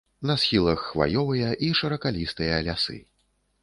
На схілах хваёвыя і шыракалістыя лясы.